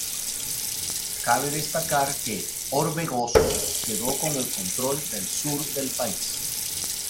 Cabe destacar que Orbegoso quedó con el control del sur del país.